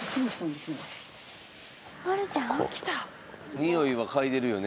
ニオイは嗅いでるよね。